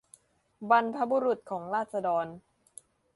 บรรพบุรุษของราษฎร